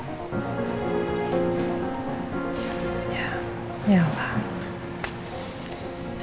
ya ya pak